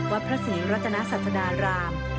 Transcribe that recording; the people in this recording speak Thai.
วัดพระศรีรัตนสัตวรรม